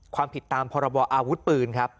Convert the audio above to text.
ความผิดตามพรบออาวุธปืนครับ